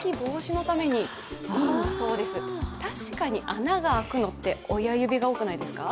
穴が開くのって親指が多くないですか？